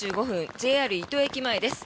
ＪＲ伊東駅前です。